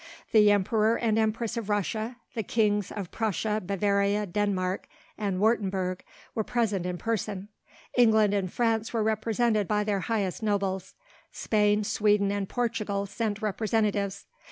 The Emperor and Empress of Russia, the kings of Prussia, Bavaria, Denmark and Würtemburg were present in person. England and France were represented by their highest nobles. Spain, Sweden and Portugal sent representatives.